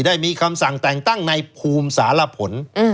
ได้มีคำสั่งแต่งตั้งในภูมิสารผล